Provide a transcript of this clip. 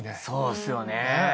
そうっすよね。